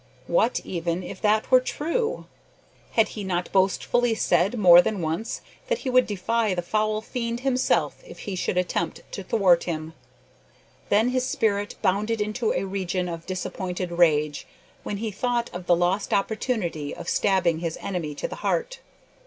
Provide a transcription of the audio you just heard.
What even if that were true? Had he not boastfully said more than once that he would defy the foul fiend himself if he should attempt to thwart him? Then his spirit bounded into a region of disappointed rage when he thought of the lost opportunity of stabbing his enemy to the heart.